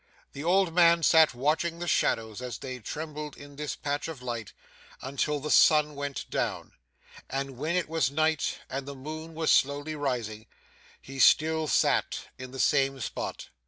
The old man sat watching the shadows as they trembled in this patch of light, until the sun went down; and when it was night, and the moon was slowly rising, he still sat in the same spot.